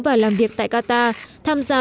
và làm việc tại qatar tham gia